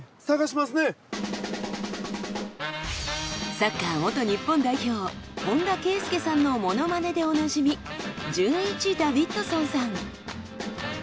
サッカー元日本代表本田圭佑さんのモノマネでおなじみじゅんいちダビッドソンさん。